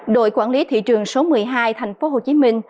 đội quản lý thị trường số một mươi hai thành phố hồ chí minh